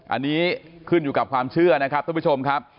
อันนี้ขึ้นอยู่กับความเชื่อนะครับทุกผู้ชมครับ